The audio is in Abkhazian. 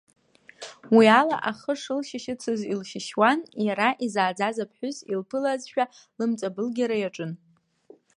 Уи ала ахы шылшьышьыцыз илшьышьуан, иара изааӡаз аԥҳәыс илԥылазшәа, лымҵабылгьара иаҿын.